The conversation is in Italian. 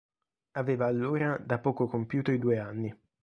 Aveva allora da poco compiuto i due anni.